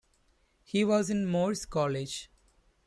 He was in Morse College.